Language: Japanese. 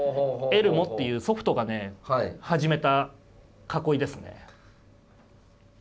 エルモっていうソフトがね始めた囲いですね。